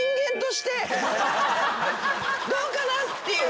どうかなっていう。